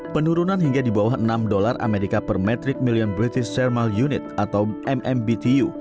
penurunan hingga di bawah enam dolar amerika per metric million british thermal unit atau mmbtu